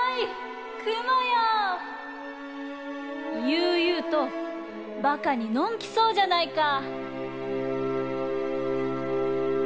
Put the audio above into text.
ゆうゆうと馬鹿にのんきそうじゃないか。